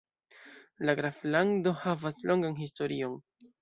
La graflando havas longan historion.